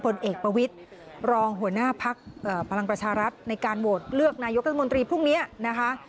ผลเอกประวิทย์รองหัวหน้าพักพลังประชารัฐในการโหวตเลือกนายกรัฐมนตรีพรุ่งนี้นะคะ